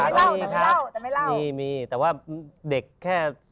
ส่วนใหญ่ที่จะเจอก็คือ